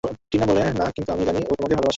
টিনা বলে না, কিনতু আমি জানি ও তোমাকে ভালবাসে।